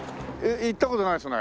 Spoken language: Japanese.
行った事ないですね。